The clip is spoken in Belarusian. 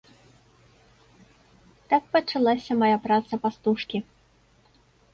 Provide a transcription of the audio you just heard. Так пачалася мая праца пастушкі.